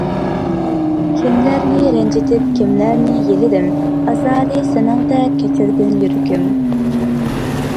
كىملەرنى رەنجىتىپ كىمگە يېلىندىم، ئازارى سېنىڭدە كەچۈر يۈرىكىم.